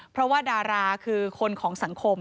เพราะว่าดาราคือคนของสังคม